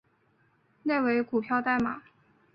内为股票代码